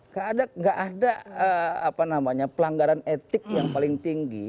tidak ada pelanggaran etik yang paling tinggi